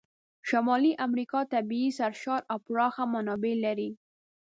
شمالي امریکا طبیعي سرشاره او پراخه منابع لري.